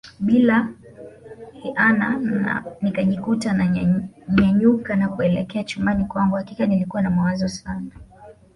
Bila hiana nikajikuta na nyanyuka na kuelekea chumbani kwangu hakika nilikuwa na mawazo Sana